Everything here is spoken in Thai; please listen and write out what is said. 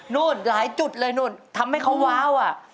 หลายจุดเลยนู่นทำให้เขาว้าวอ่ะ